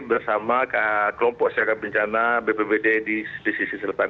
bersama kelompok sejarah bencana bpbd di pesisir selatan